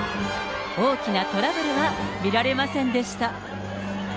大きなトラブルは見られませんでした。